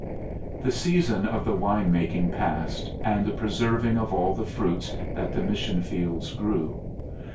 The season of the wine making passed, and the preserving of all the fruits that the mission fields grew.